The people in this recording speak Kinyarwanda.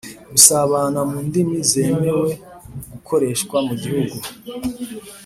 gusabana mu ndimi zemewe gukoreshwa mu gihugu: